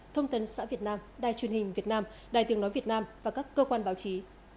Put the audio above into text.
thông tấn xã việt nam đài truyền hình việt nam đài tiếng nói việt nam và các cơ quan báo chí